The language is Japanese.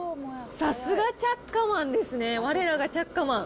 さすがチャッカマンですね、われらがチャッカマン。